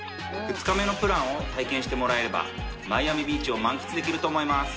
２日目のプランを体験してもらえればマイアミビーチを満喫できると思います